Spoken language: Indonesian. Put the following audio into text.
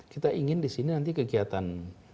kita ingin disini nanti kegiatan